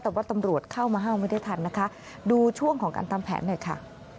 แต่ว่าตำรวจเข้ามาห้ามไม่ได้ทันนะคะดูช่วงของการทำแผนหน่อยค่ะ